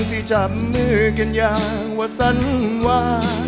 สิจำมือกันอย่างว่าสันวา